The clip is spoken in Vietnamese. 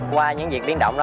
qua những việc biến động